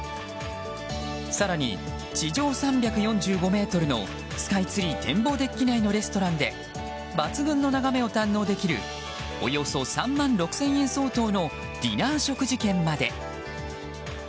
更に、地上３４５ｍのスカイツリー天望デッキ内のレストランで抜群の眺めを堪能できるおよそ３万６０００円相当のディナー食事券まで。